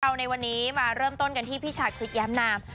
ในวันนี้มาเริ่มต้นกันที่พี่ชาคริสแย้มนาม